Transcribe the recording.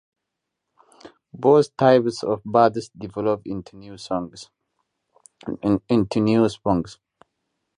Both types of buds develop into new sponges.